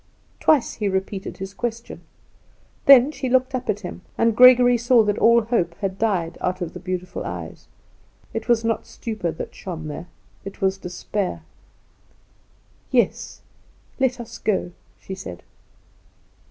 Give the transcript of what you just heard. Twice he repeated his question. Then she looked up at him, and Gregory saw that all hope had died out of the beautiful eyes. It was not stupor that shone there, it was despair. "Yes, let us go," she said.